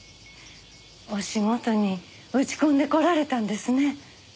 お仕事に打ち込んでこられたんですね。